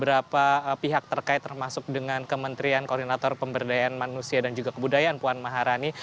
beberapa pihak terkait termasuk dengan kementerian koordinator pemberdayaan manusia dan juga kebudayaan puan maharani